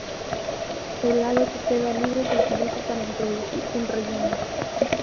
El lado que queda libre se utiliza para introducir un relleno.